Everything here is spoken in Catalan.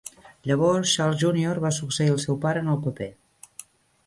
Llavors, Charles júnior va succeir el seu pare en el paper.